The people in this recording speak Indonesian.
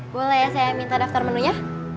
boleh ya saya minta daftar menunya